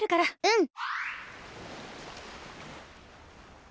うん。